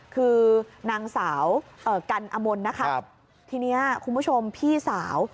คือนางสาวกันอมนนะคะทีนี้คุณผู้ชมพี่สาว